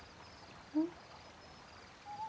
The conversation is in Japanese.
うん？